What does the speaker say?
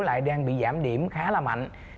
lại đang bị giảm điểm khá là mạnh